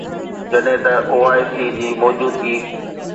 جڏهن ته O I C جي موجودگي